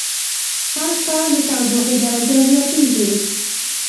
هر کال د تودوخی درجه زیاتیږی